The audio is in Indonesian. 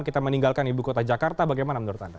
kita meninggalkan ibu kota jakarta bagaimana menurut anda